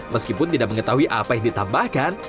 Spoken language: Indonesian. meskipun tidak mengetahui apa yang ditambahkan